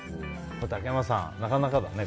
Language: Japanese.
竹山さん、なかなかだね